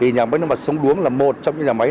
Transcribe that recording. nhà nước mặt sông đuống là một trong những nhà máy